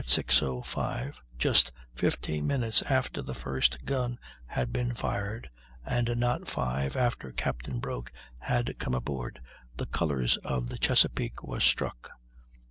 05, just fifteen minutes after the first gun had been fired, and not five after Captain Broke had come aboard, the colors of the Chesapeake were struck.